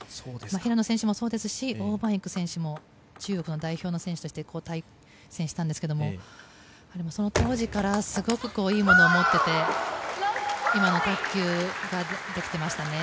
平野選手もそうですしオウ・マンイク選手も中国の代表選手として対戦したんですけれども当時からすごくいいものを持っていて今の卓球ができてましたね。